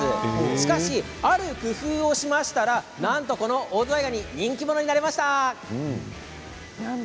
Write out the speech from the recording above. しかし、ある工夫をしましたらなんとこのオオズワイガニ人気者になりました。